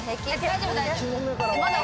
大丈夫大丈夫。